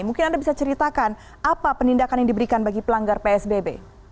mungkin anda bisa ceritakan apa penindakan yang diberikan bagi pelanggar psbb